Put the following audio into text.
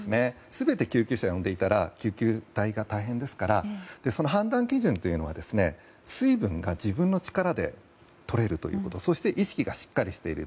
全て救急車を呼んでいたら救急隊が大変ですから判断基準というのは、水分を自分の力でとれるということそして、意識がしっかりしている